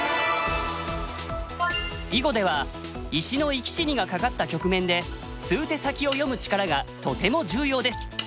囲碁では石の生き死にが懸かった局面で数手先を読む力がとても重要です。